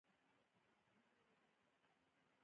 خو دا سیاست او سیاسي بنسټونه دي چې مشخصوي.